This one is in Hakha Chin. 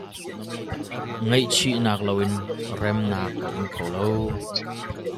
Ngaihchihnak loin remnak a um kho lo.